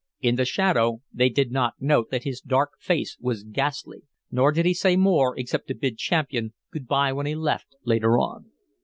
In the shadow they did not note that his dark face was ghastly, nor did he say more except to bid Champian good bye when he left, later on.